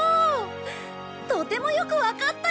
とてもよくわかったよ！